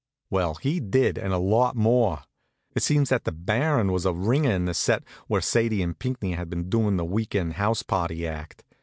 Well, he did and a lot more. It seems that the Baron was a ringer in the set where Sadie and Pinckney had been doing the weekend house party act.